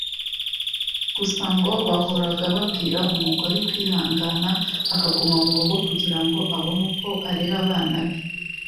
gusa ngo bahoraga babwira umugore kwihangana akaguma mu rugo kugira ngo abone uko arera abana be